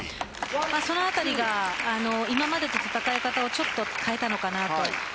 そのあたりが今までと戦い方をちょっと変えたのかなと。